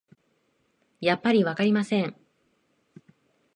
やっぱりわかりません